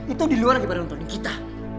itu diluar lagi pada nontonin kita